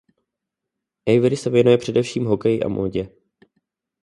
Avery se věnuje především hokeji a módě.